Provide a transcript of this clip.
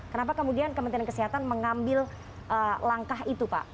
kenapa kemudian kementerian kesehatan mengambil langkah itu pak